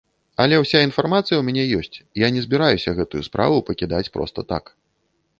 Але ўся інфармацыя ў мяне ёсць, я не збіраюся гэтую справу пакідаць проста так.